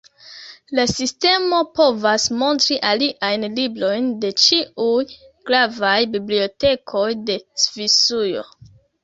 La sistemo povas montri aliajn librojn de ĉiuj gravaj bibliotekoj de Svisujo.